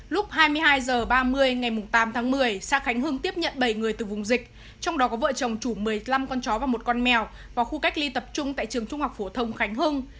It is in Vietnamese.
lúc hai mươi hai h ba mươi ngày tám tháng một mươi xã khánh hưng tiếp nhận bảy người từ vùng dịch trong đó có vợ chồng chủ một mươi năm con chó và một con mèo vào khu cách ly tập trung tại trường trung học phổ thông khánh hưng